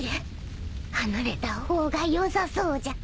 離れた方がよさそうじゃ。